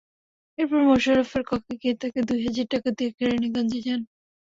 এরপর মোশাররফের কক্ষে গিয়ে তাঁকে দুই হাজার টাকা দিয়ে কেরানীগঞ্জে যান।